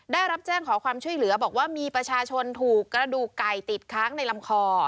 ได้รับแจ้งขอความช่วยเหลือบอกว่ามีประชาชนถูกกระดูกไก่ติดค้างในลำคอ